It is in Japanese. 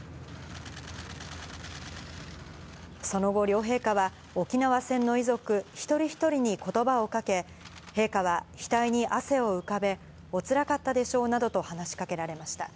その後、両陛下は、沖縄戦の遺族一人一人にことばをかけ、陛下は額に汗を浮かべ、おつらかったでしょうなどと話しかけられました。